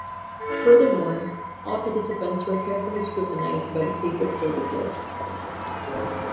Furthermore, all participants were carefully scrutinized by the secret services.